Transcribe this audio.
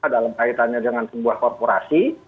dalam kaitannya dengan sebuah korporasi